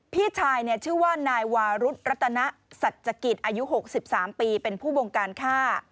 พี่ชายเนี่ยชื่อว่านายวารุธรัตนสัจจกิตอายุหกสิบสามปีเป็นผู้วงการฆ่า